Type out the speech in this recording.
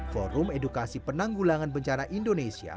forum edukasi penanggulangan bencana indonesia